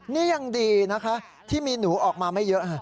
นี่ยังดีนะคะที่มีหนูออกมาไม่เยอะ